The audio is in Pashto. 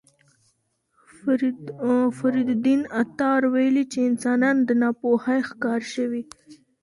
فریدالدین عطار ویلي چې انسانان د ناپوهۍ ښکار شوي.